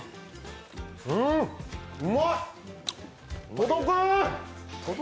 届く！